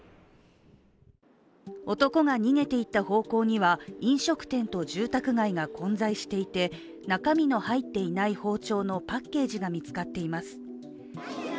男が逃げていった方向には飲食店と住宅街が混在していて、中身の入っていない包丁のパッケージが見つかっています。